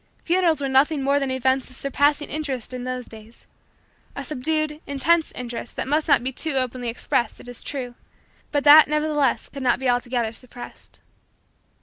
Funerals were nothing more than events of surpassing interest in those days a subdued, intense, interest that must not be too openly expressed, it is true, but that nevertheless could not be altogether suppressed.